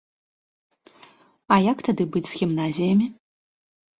А як тады быць з гімназіямі?